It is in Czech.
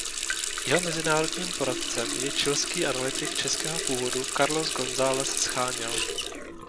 Jeho mezinárodním poradcem je chilský analytik českého původu Carlos González Sháněl.